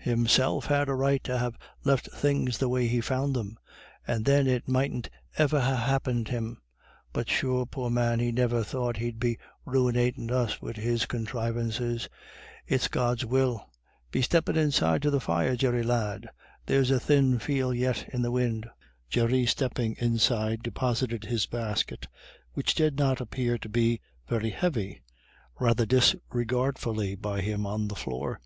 Himself had a right to ha' left things the way he found them, and then it mightn't iver ha' happened him. But sure, poor man, he niver thought he'd be ruinatin' us wid his conthrivances. It's God's will. Be steppin' inside to the fire, Jerry lad; there's a thin feel yet in the win'." Jerry, stepping inside, deposited his basket, which did not appear to be very heavy, rather disregardfully by him on the floor.